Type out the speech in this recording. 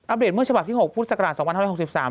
อัพเดทเมื่อฉบัดที่๖พูดจากการ๒๖๓